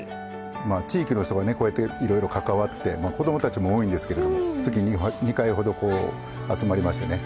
地域の人がねこうやっていろいろ関わって子どもたちも多いんですけれど月に２回ほど集まりましてね